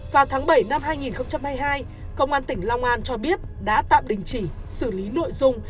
vào tháng bảy năm hai nghìn hai mươi hai công an tỉnh long an cho biết đã tạm đình chỉ xử lý nội dung